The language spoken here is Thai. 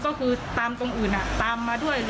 ก็คือตามตรงอื่นตามมาด้วย